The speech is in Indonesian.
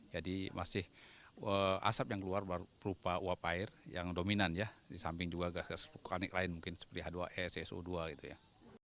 jadi masih asap yang keluar berupa uap air yang dominan ya di samping juga gas pukul karnik lain mungkin seperti h dua s so dua gitu ya